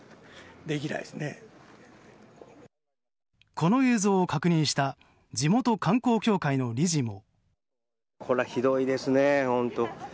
この映像を確認した地元観光協会の理事も。